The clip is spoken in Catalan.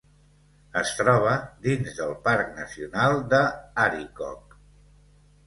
Es troba dins del Parc Nacional de Arikok.